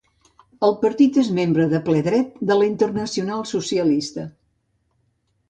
El partit és membre de ple dret de la Internacional Socialista.